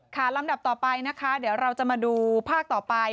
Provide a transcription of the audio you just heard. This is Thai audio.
ลำดับต่อไปนะคะเดี๋ยวเราจะมาดูภาคต่อไป